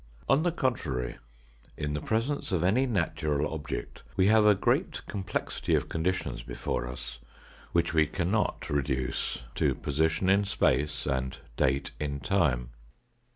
On the contrary, in the presence of any natural object, we have a great complexity of conditions before us, which we cannot reduce to position in space and date in time.